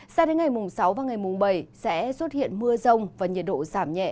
sao đến ngày mùng sáu và ngày mùng bảy sẽ xuất hiện mưa rông và nhiệt độ giảm nhẹ